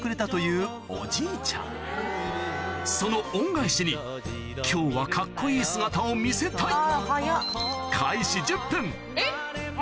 その恩返しに今日はカッコいい姿を見せたいえっ！